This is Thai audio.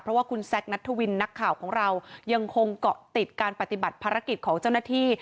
เพราะว่าคุณแซคนัทธวินนักข่าวของเรายังคงเกาะติดการปฏิบัติภารกิจของเจ้าหน้าที่